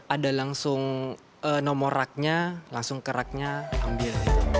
ada langsung nomor raknya langsung ke raknya ambil